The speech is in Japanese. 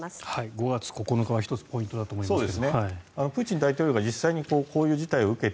５月９日は１つポイントだと思いますが。